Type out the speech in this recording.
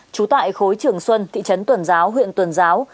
trú tại khối trường xuân thị trấn tuần giáo huyện tuần giáo